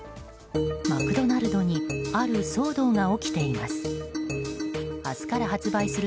マクドナルドにある騒動が起きています。